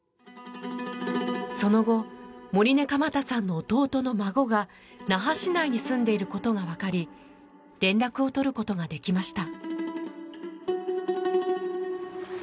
その後盛根蒲太さんの弟の孫が那覇市内に住んでいることがわかり連絡を取ることができました。